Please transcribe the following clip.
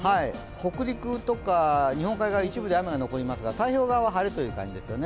北陸とか日本海側、一部で雨が残りますが太平洋側は晴れという感じですね。